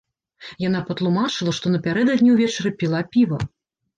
Яна патлумачыла, што напярэдадні ўвечары піла піва.